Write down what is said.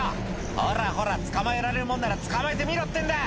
「ほらほら捕まえられるもんなら捕まえてみろってんだ！